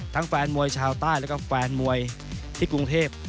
ทั้งแฟนมวยชาวใต้และแฟนมวยที่กรุงเทพ